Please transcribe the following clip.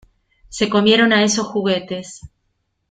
Se comieron a esos juguetes.